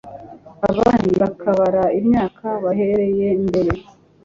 Abandi bakabara imyaka bahereye mbere